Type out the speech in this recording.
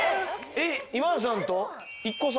えっ今田さんと１個差？